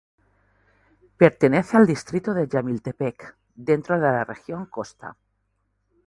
Pertenece al distrito de Jamiltepec, dentro de la Región Costa.